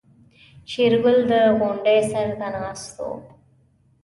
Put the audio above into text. شېرګل د غونډۍ سر ته ناست و.